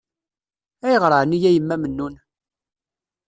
Ayɣer ɛni a Yemma Mennun?